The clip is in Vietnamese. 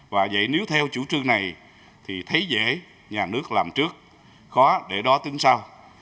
và vậy nếu theo chủ trương này thì thấy dễ nhà nước làm trước khó để đó tính sau